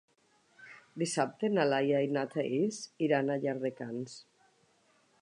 Dissabte na Laia i na Thaís iran a Llardecans.